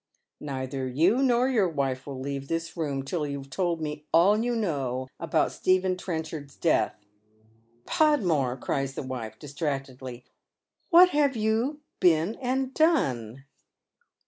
" Neither you nor your wife leave this room till you've told me all you know about Stephen Trenchard's dcatli." " Podmore," cries the wife, distractedly, " what have you been and done?